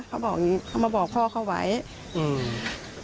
อย่างงี้เขามาบอกพ่อเขาไว้อืม